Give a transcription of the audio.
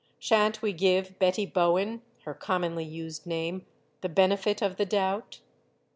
Shan't we give Betty Bowen her com monly used name the benefit of the doubt?